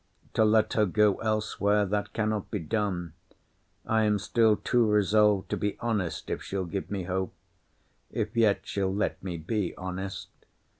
To let her go elsewhere; that cannot be done. I am still too resolved to be honest, if she'll give me hope: if yet she'll let me be honest.